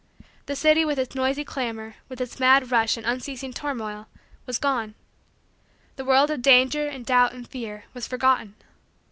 The city with its noisy clamor, with its mad rush and unceasing turmoil, was gone. The world of danger, and doubt, and fear, was forgotten.